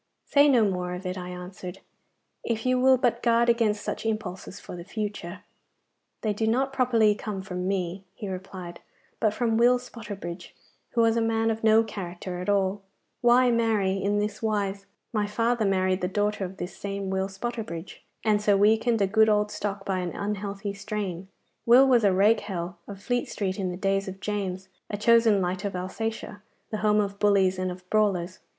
'Say no more of it,' I answered, 'if you will but guard against such impulses for the future.' 'They do not properly come from me,' he replied, 'but from Will Spotterbridge, who was a man of no character at all.' 'And how comes he to be mixed up in the matter?' I asked curiously. 'Why, marry, in this wise. My father married the daughter of this same Will Spotterbridge, and so weakened a good old stock by an unhealthy strain. Will was a rake hell of Fleet Street in the days of James, a chosen light of Alsatia, the home of bullies and of brawlers.